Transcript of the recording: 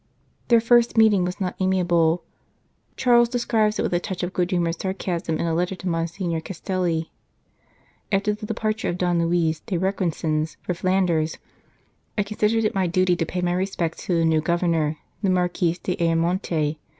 Their first meeting was not amiable. Charles describes it with a touch of good humoured sarcasm in a letter to Monsignor Castelli :" After the departure of Don Luis de Requesens for Flanders, I considered it my duty to pay my respects to the new Governor, the Marquis d Ayamonte.